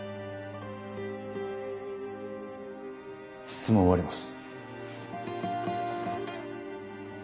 質問を終わります。